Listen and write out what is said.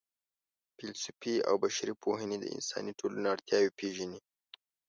فېلسوفي او بشري پوهنې د انساني ټولنو اړتیاوې پېژني.